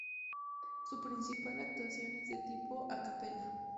Su principal actuación es de tipo "a cappella".